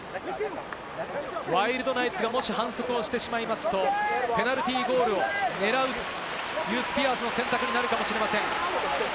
ワイルドナイツがもし反則をしてしまいますと、ペナルティーゴールを狙うというスピアーズの選択になるかもしれません。